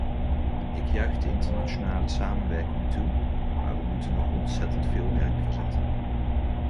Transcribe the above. Ik juich de internationale samenwerking toe, maar we moeten nog ontzettend veel werk verzetten.